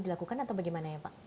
dilakukan atau bagaimana ya pak